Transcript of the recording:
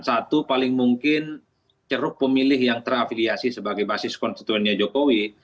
satu paling mungkin ceruk pemilih yang terafiliasi sebagai basis konstituennya jokowi